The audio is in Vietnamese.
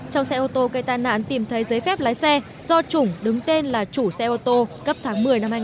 trong xe ô tô gây tai nạn tìm thấy giấy phép lái xe do chủ đứng tên là chủ xe ô tô cấp tháng một mươi năm hai nghìn một mươi